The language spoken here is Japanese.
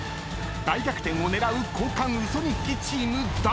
［大逆転を狙う交換ウソ日記チームだが］